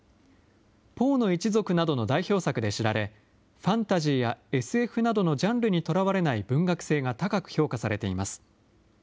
ポーの一族などの代表作で知られ、ファンタジーやＳＦなどのジャンルにとらわれない文学性が高く評価されています。